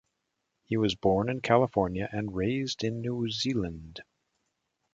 He was born in California and raised in New Zealand.